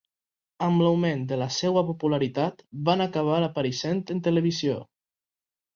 Amb l'augment de la seva popularitat van acabar apareixent en televisió.